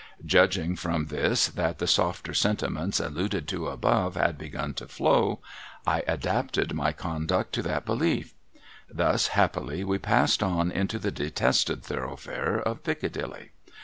Judging from this that the softer sentiments alluded to above had begun to flow, I adapted my conduct to that belief. Thus happily we passed on into the detested thoroughfare of Piccadilly.